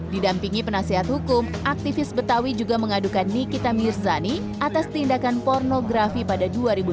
didampingi penasehat hukum aktivis betawi juga mengadukan nikita mirzani atas tindakan pornografi pada dua ribu dua belas